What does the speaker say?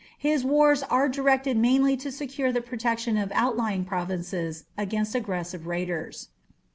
His wars were directed mainly to secure the protection of outlying provinces against aggressive raiders.